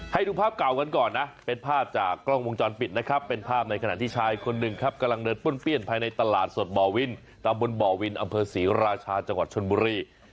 ให้ดูภาพเก่ากันก่อนนะเป็นภาพจากกล้องวงจรปิดนะครับเป็นภาพในขณะที่ชายคนหนึ่งครับกำลังเดินป้นเปี้ยนภายในตลาดสดบ่อวินตำบลบ่อวินอำเภอศรีราชาจังหวัดชนบุรี